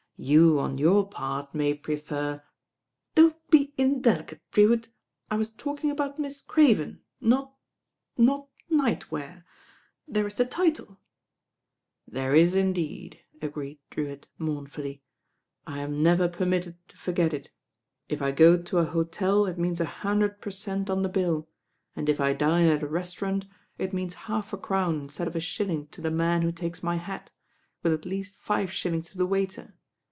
You, on your part, may prefer " "Don't be indelicate, Drewitt. I was talking about Miss Craven, not— not night wear. There la the title " "There is, indeed," agreed Drewitt mournfully. "I am never permitted to forget it. If I go to a hotel it means a hundred per cent, on the bill, and if I dine at a restaurant, it means half a crown in stead of a shilling to the man who takes my hat, with at least five shillings to the waiter.